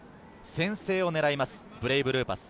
先制を狙います、ブレイブルーパス。